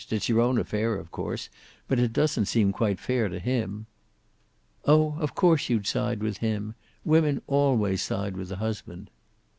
It's your own affair, of course, but it doesn't seem quite fair to him." "Oh, of course you'd side with him. Women always side with the husband."